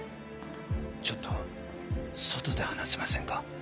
ちょっと外で話しませんか？